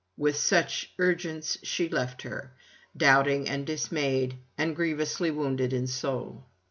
With such urgence she left her, doubting and dismayed, and grievously wounded in soul.